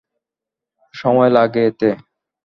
সময় লাগে এতে।